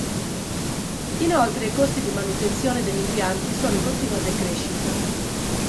Inoltre i costi di manutenzione degli impianti sono in continua decrescita.